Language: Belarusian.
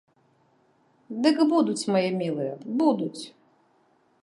Дык будуць, мае мілыя, будуць.